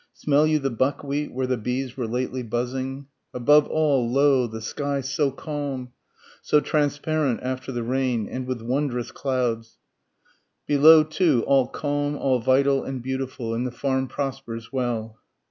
Smell you the buckwheat where the bees were lately buzzing?) Above all, lo, the sky so calm, so transparent after the rain, and with wondrous clouds, Below too, all calm, all vital and beautiful, and the farm prospers well.